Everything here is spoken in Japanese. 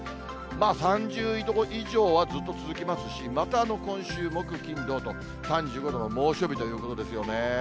まあ３０度以上はずっと続きますし、また今週、木、金、土と、３５度の猛暑日ということですよね。